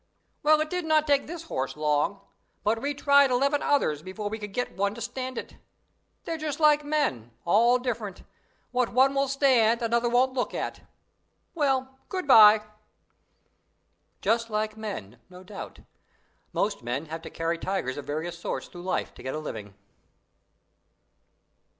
"Well, it did not take this horse long; but we tried eleven others before we could get one to stand it. They're just like men, all different. What one will stand another won't look at. Well, good bye." Just like men no doubt; most men have to carry tigers of various sorts through life to get a living.